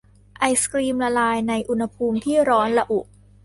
ไอศกรีมละลายในอุณหภูมิที่ร้อนระอุ